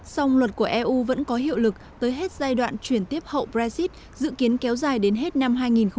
song luật của eu vẫn có hiệu lực tới hết giai đoạn chuyển tiếp hậu brexit dự kiến kéo dài đến hết năm hai nghìn hai mươi